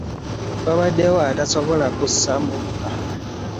Wanaddewo atasobola kussa mukka.